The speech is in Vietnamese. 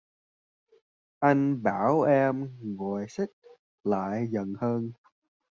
Anh bảo em ngồi xích lại gần hơn.